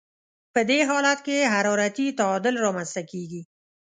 په دې حالت کې حرارتي تعادل رامنځته کیږي.